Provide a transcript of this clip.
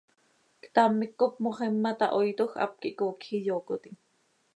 Ctam hipcop moxima tahoiitoj, hap quih coocj iyoocotim.